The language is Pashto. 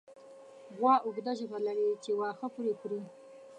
غوا اوږده ژبه لري چې واښه پرې خوري.